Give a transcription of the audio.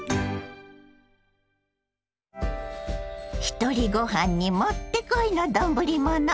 ひとりごはんにもってこいの丼物。